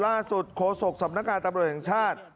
ล่าสุดโขสกสำนักการณ์ตำรวจแห่งชาติ